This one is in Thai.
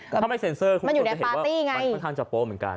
ถ้าไม่เซ็นเซอร์คุณมันอยู่ในปาร์ตี้ไงค่อนข้างจะโป๊ะเหมือนกัน